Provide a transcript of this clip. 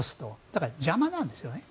だから邪魔なんですね。